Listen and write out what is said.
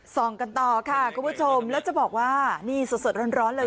ส่องกันต่อค่ะคุณผู้ชมแล้วจะบอกว่านี่สดร้อนเลย